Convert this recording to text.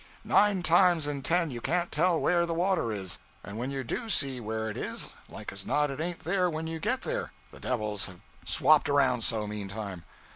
Nine times in ten you can't tell where the water is; and when you do see where it is, like as not it ain't there when _you _get there, the devils have swapped around so, meantime.